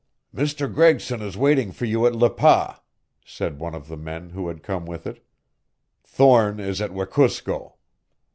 "Mr. Gregson is waiting for you at Le Pas," said one of the men who had come with it. "Thorne is at Wekusko."